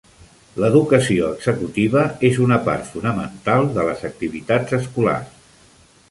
L'educació executiva és una part fonamental de les activitats escolars.